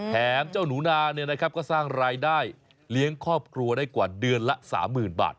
เจ้าหนูนาก็สร้างรายได้เลี้ยงครอบครัวได้กว่าเดือนละ๓๐๐๐บาท